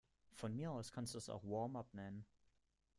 Von mir aus kannst du es auch Warmup nennen.